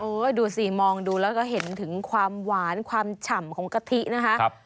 ดูสิมองดูแล้วก็เห็นถึงความหวานความฉ่ำของกะทินะคะ